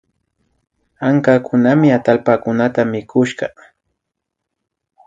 Ankakunami atallpakunata mikushka